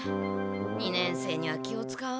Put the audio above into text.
二年生には気をつかう。